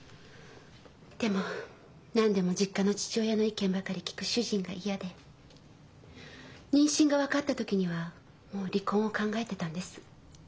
でも何でも実家の父親の意見ばかり聞く主人が嫌で妊娠が分かった時にはもう離婚を考えてたんです。